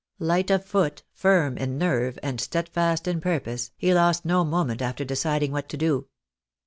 Light of foot, firm in nerve, and steadfast in purpose, he lost ]io moment after deciding what to do.